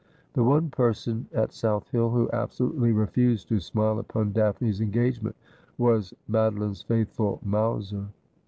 The one person at South Hill who absolutely refused to smile upon Daphne's engagement was Madoline's faithful Mowser.